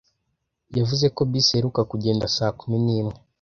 Yavuze ko bisi iheruka kugenda saa kumi nimwe